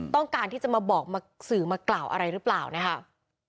ต้องการที่จะมาบอกมาสื่อมากล่าวอะไรหรือเปล่านะคะ